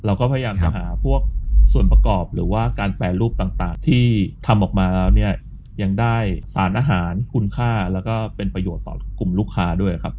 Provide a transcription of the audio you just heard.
เราก็พยายามจะหาพวกส่วนประกอบหรือว่าการแปรรูปต่างที่ทำออกมาแล้วเนี่ยยังได้สารอาหารคุณค่าแล้วก็เป็นประโยชน์ต่อกลุ่มลูกค้าด้วยครับ